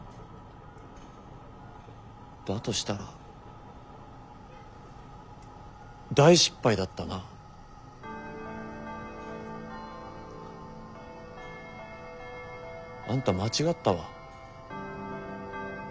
だとしたら大失敗だったな。あんた間違ったわ。